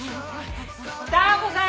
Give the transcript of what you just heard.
・ダー子さん！